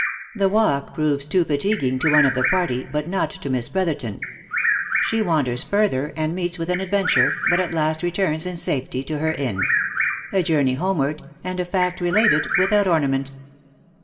THE WALK PROVES TOO FATIGUING TO ONE OF THE PARTY, BUT NOT TO MISS EROTHERTON SHE WANDERS FURTHER, AND MEETS WITH AN ADVENTURE, BUT AT LAST RETURNS IN SAFETY TO HER INN A JOURNEY HOMEWARD, AND A FACT RELATED WITHOUT ORNAMENT.